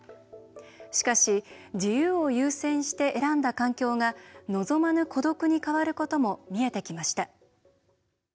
しかし自由を優先して選んだ環境が望まぬ孤独に変わることも見えてきました。